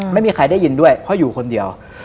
ไม่มีใครได้ยินด้วยเพราะอยู่คนเดียว